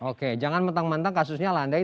oke jangan mentang mentang kasusnya landai